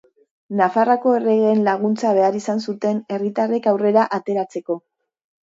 Nafarroako erregeen laguntza behar izan zuten herritarrek aurrera ateratzeko.